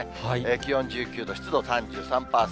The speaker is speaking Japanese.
気温１９度、湿度３３％。